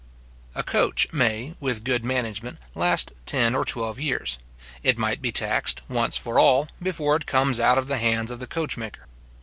A coach may, with good management, last ten or twelve years. It might be taxed, once for all, before it comes out of the hands of the coach maker.